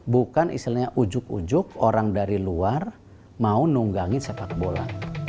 bukan istilahnya ujuk ujuk orang dari luar mau nunggangin sepak bola